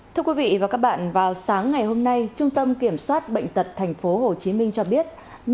thưa quý vị và các bạn vào sáng ngày hôm nay trung tâm kiểm soát bệnh tật tp hcm cho biết